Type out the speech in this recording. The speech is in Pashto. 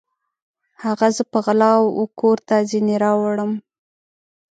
هغه زه په غلا وکور ته ځیني راوړم